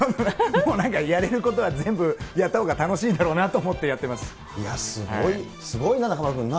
もうなんかやれることは全部やったほうが楽しいんだろうなと思っいや、すごいな、中丸君な。